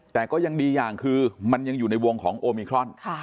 แต่ก็ยังดีอย่างคือมันยังอยู่ในวงของโอมิครอน